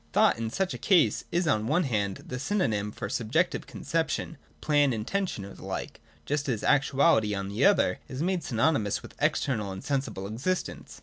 Thought in such a case is, on one hand, the sj'nonym for a subjective conception, plan, intention or the like, just as actuality, on the other, is made synonymous with external and sensible existence.